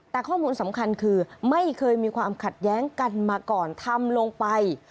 แต่ข้อมูลสำคัญคือไม่เคยมีความขัดแย้งกันมาก่อนทำลงไป